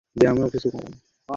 তাই তোমরা দুজনেই অনেক মজার মানুষ।